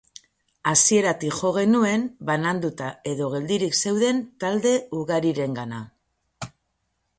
Hasieratik jo genuen bananduta edo geldirik zeuden talde ugarirengana.